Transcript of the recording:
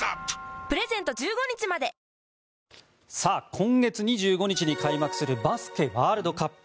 今月２５日開幕するバスケワールドカップ。